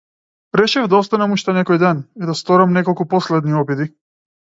Решив да останам уште некој ден и да сторам неколку последни обиди.